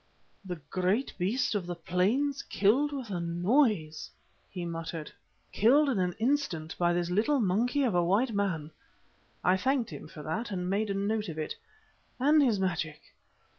"The great beast of the plains killed with a noise!" he muttered. "Killed in an instant by this little monkey of a white man" (I thanked him for that and made a note of it) "and his magic.